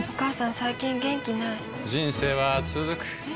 最近元気ない人生はつづくえ？